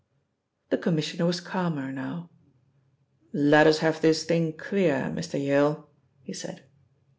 The Commissioner was calmer now. "Let us have this thing clear, Mr. Yale," he said.